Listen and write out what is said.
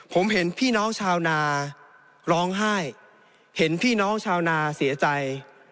ผมเห็นพี่น้องชาวนาร้องไห้เห็นพี่น้องชาวนาเสียใจ